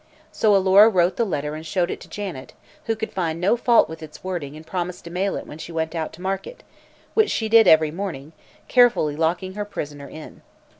So Alora wrote the letter and showed it to Janet, who could find no fault with its wording and promised to mail it when she went out to market, which she did every morning, carefully locking her prisoner in.